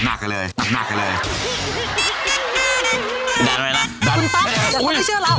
เดี๋ยวก่อนไม่เชื่อเรา